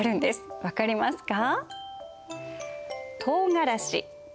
分かりますか？